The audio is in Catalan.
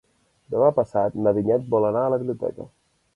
Demà passat na Vinyet vol anar a la biblioteca.